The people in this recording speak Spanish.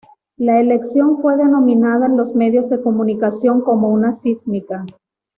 La elección fue denominada en los medios de comunicación como una "sísmica".